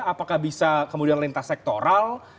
apakah bisa kemudian lintas sektoral